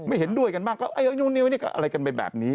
อะไรกันไปแบบนี้